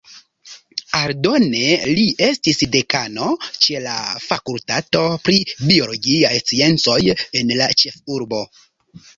Aldone li estis dekano ĉe la fakultato pri biologiaj sciencoj en la ĉefurbo.